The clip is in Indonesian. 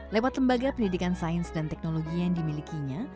lewat lembaga pendidikan sains dan teknologi yang dimilikinya